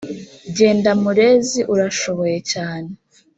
Jyenda murezi urashoboye cyane!